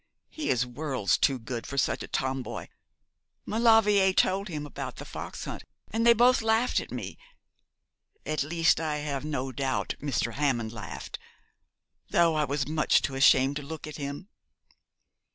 He is worlds too good for such a Tomboy. Maulevrier told him about the fox hunt, and they both laughed at me at least I have no doubt Mr. Hammond laughed, though I was too much ashamed to look at him.'